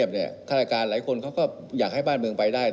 ฆาตการหลายคนเขาก็อยากให้บ้านเมืองไปได้